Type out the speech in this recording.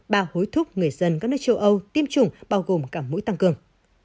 ba hối thúc người dân các nước châu âu tiêm chủng bao gồm cả mũi tăng cường